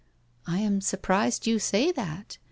*' I am surprised you say that.